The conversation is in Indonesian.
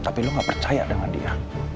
tapi lu gak percaya dengan dia